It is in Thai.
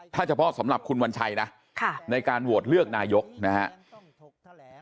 ถ้าเฉพาะสำหรับคุณวัญชัยนะในการโหวตเลือกนายกนะครับ